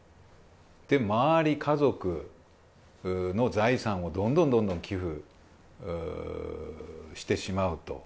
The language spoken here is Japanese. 周り、家族の財産をどんどんどんどん寄付してしまうと。